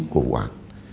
của vụ án